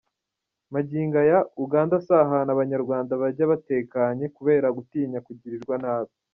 Magingo aya, Uganda si ahantu abanyarwanda bajya batekanye kubera gutinya kugirirwa nabi.